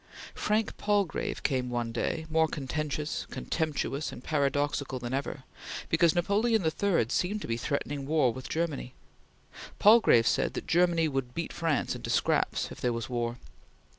Frank Palgrave came one day, more contentious, contemptuous, and paradoxical than ever, because Napoleon III seemed to be threatening war with Germany. Palgrave said that "Germany would beat France into scraps" if there was war.